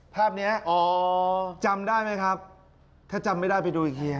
ภาพนี้จำได้ไหมครับถ้าจำไม่ได้ไปดูอีกทีนะครับอ๋อ